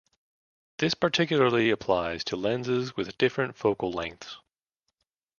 This particularly applies to lenses with different focal lengths.